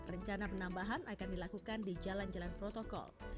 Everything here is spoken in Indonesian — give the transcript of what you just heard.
rencana penambahan akan dilakukan di jalan jalan protokol